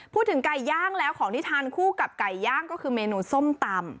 พูดถึงไก่ย่างแล้วของที่ทานคู่กับไก่ย่างก็คือเมนูส้มตำ